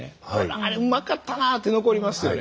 「あれうまかったな！」って残りますよね。